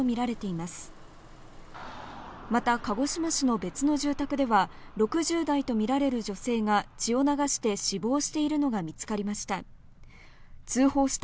また鹿児島市の別の住宅では６０代とみられる女性が血を流して死亡しているのが見つかりました。